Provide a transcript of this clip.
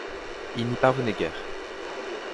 Il n'y parvenait guère.